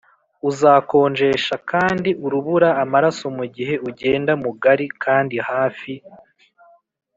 uzakonjesha kandi urubura amaraso mugihe ugenda mugari kandi hafi,